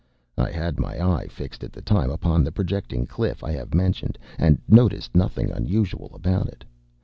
I had my eye fixed at the time upon the projecting cliff I have mentioned, and noticed nothing unusual about it.